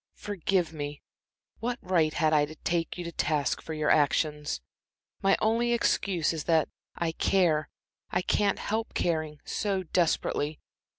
Forgive me what right had I to take you to task for your actions? My only excuse is that I care I can't help caring so desperately.